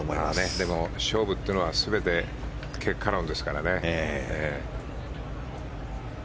でも勝負っていうのは全て結果論ですからね。